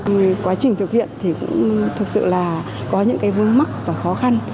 quá trình thực hiện thì cũng thực sự là có những vương mắc và khó khăn